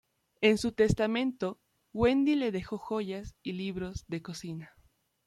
En su testamento Wendy le dejó joyas y libros de cocina.